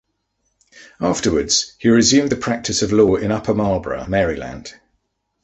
Afterwards, he resumed the practice of law in Upper Marlboro, Maryland.